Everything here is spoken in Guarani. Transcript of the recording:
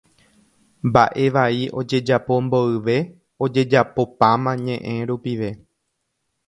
Mbaʼevai ojejapo mboyve ojejapopáma ñeʼẽ rupive.